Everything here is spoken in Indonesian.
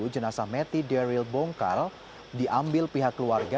jenasa meti daryl bongkal diambil pihak keluarga